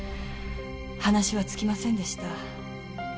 話は尽きませんでした。